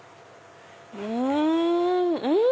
うん！